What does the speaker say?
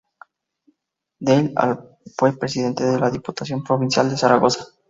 Del al fue Presidente de la Diputación Provincial de Zaragoza.